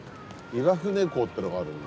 岩船港っていうのがあるんだ。